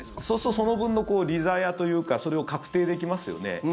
そうするとその分の利ざやというかそれを確定できますよね。